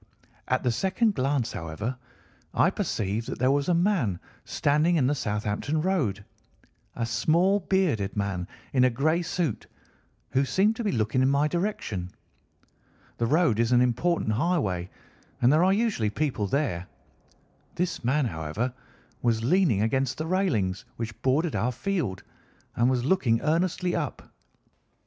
At the second glance, however, I perceived that there was a man standing in the Southampton Road, a small bearded man in a grey suit, who seemed to be looking in my direction. The road is an important highway, and there are usually people there. This man, however, was leaning against the railings which bordered our field and was looking earnestly up.